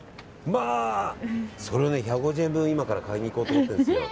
まあ、それを１５０円分今から買いに行こうと思っているんです。